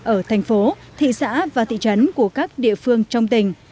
ở thành phố thị xã và thị trấn của các địa phương trong tỉnh